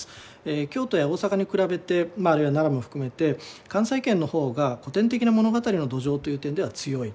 京都や大阪に比べてあるいは長野も含めて関西圏の方が古典的な物語の土壌という点では強い。